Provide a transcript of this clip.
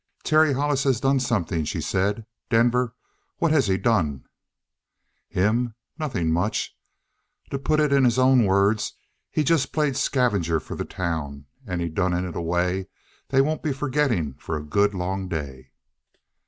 "Terry Hollis has done something," she said. "Denver, what has he done?" "Him? Nothing much. To put it in his own words, he's just played scavenger for the town and he's done it in a way they won't be forgetting for a good long day.